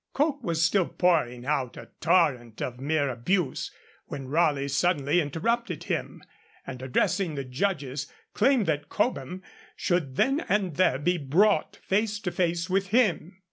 Coke was still pouring out a torrent of mere abuse, when Raleigh suddenly interrupted him, and addressing the judges, claimed that Cobham should then and there be brought face to face with him.